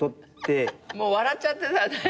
もう笑っちゃってさ。